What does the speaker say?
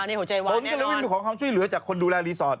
ตนก็เลยมีของความช่วยเหลือจากคนดูแลรีสอร์ท